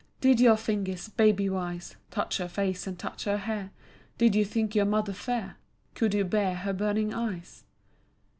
Did your fingers, babywise, Touch her face and touch her hair, Did you think your mother fair, Could you bear her burning eyes?